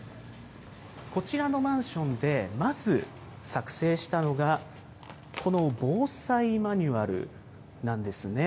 こちらのマンションでまず作成したのが、この防災マニュアルなんですね。